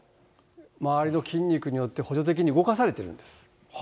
周りの筋肉によって補助的に動かされているんです。